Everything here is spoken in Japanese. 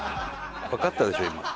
わかったでしょ今。